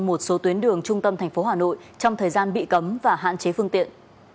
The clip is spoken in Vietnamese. một số tuyến đường trung tâm tp hcm trong thời gian bị cấm và hạn chế phương tiện